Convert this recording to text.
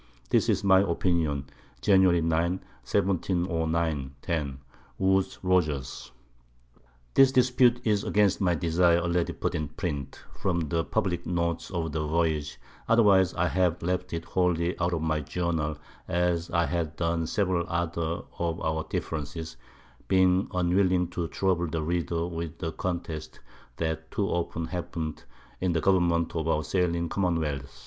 This is my Opinion._ Jan. 9. 1709 10. Woodes Rogers. This Dispute is against my Desire already put in Print, from the publick Notes of the Voyage, otherwise I had left it wholly out of my Journal, as I had done several other of our Differences, being unwilling to trouble the Reader with the Contests that too often happen'd in the Government of our sailing Common wealth.